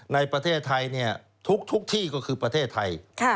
ในประเทศไทยทุกที่ก็คือประเทศไทย